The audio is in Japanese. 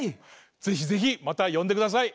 ぜひぜひまたよんでください！